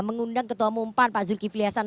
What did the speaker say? mengundang ketua umum pan pak zulkifli hasan